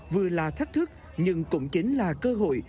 vừa là thách thức nhưng cũng chính là cơ hội